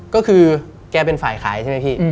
ก็คือแกเป็นฝ่ายขายใช่ไหมพี่